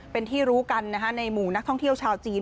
เป็นที่รู้กันในหมู่นักท่องเที่ยวชาวจีน